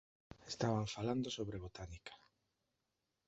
Estaban falando sobre botánica.